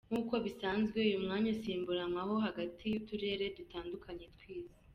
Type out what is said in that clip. Nk’uko bisanzwe uyu mwanya usimburanywaho hagati y’uturere dutandukanye tw’Isi.